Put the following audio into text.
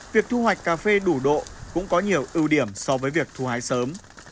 việc thu hoạch cà phê đủ độ cũng có nhiều ưu điểm so với việc thu hái sớm